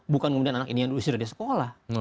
bukan kemudian anak ini yang diusir dari sekolah